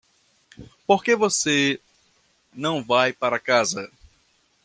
Por que você não vai para casa?